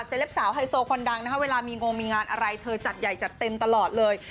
เล็ปสาวไฮโซคนดังนะคะเวลามีงงมีงานอะไรเธอจัดใหญ่จัดเต็มตลอดเลย